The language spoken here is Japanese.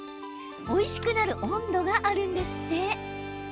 おいしくなる温度があるんですって。